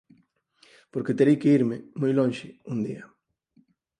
Porque terei que irme, moi lonxe, un día.